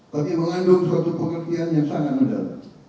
tapi mengandung suatu pengertian yang sangat mendadak